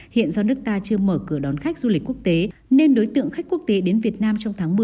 hiện do nước ta chưa mở cửa đón khách du lịch quốc tế nên đối tượng khách quốc tế đến việt nam trong tháng một mươi